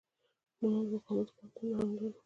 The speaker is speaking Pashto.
نو موږ د مقاومت کولو دنده هم لرو.